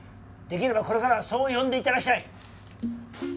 できればこれからはそう呼んで頂きたい！